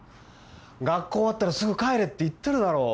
学校終わったらすぐ帰れって言ってるだろ。